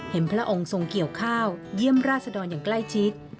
พระองค์ทรงเกี่ยวข้าวเยี่ยมราชดรอย่างใกล้ชิด